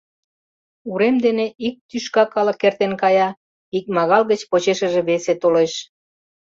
Урем дене ик тӱшка калык эртен кая, икмагал гыч почешыже весе толеш.